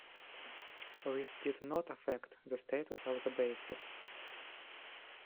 This did not affect the status of the bases.